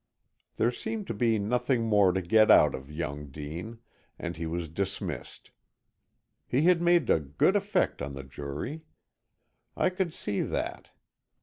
There seemed to be nothing more to get out of young Dean, and he was dismissed. He had made a good effect on the jury, I could see that.